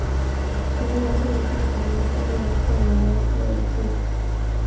隋文帝开皇三年废龙亢郡。